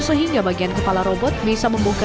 sehingga bagian kepala robot bisa membuka